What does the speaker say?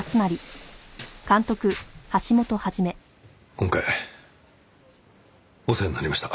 今回お世話になりました。